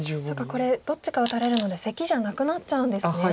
これどっちか打たれるのでセキじゃなくなっちゃうんですね。